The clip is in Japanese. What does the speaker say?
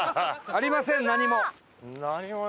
ありません何も！